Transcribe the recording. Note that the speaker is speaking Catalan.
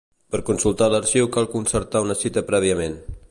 Per consultar l'arxiu cal concertar una cita prèviament.